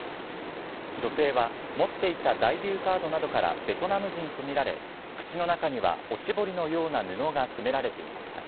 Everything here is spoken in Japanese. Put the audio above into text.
女性は持っていた在留カードなどからベトナム人と見られ、口の中にはおしぼりのような布が詰められていました。